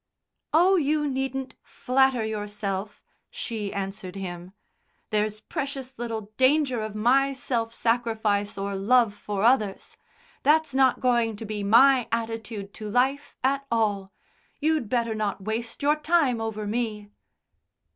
"Oh, you needn't flatter yourself," she answered Him. "There's precious little danger of my self sacrifice or love for others. That's not going to be my attitude to life at all. You'd better not waste your time over me."